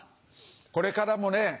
これからもね